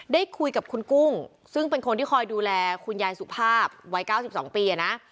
ได้คุยกับคุณกุ้งซึ่งเป็นคนที่คอยดูแลคุณยายสุภาพวัย๙๒ปีนะ